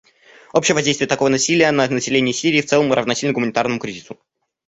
Общее воздействие такого насилия на население Сирии в целом равносильно гуманитарному кризису.